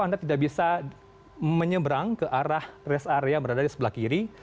anda tidak bisa menyeberang ke arah rest area berada di sebelah kiri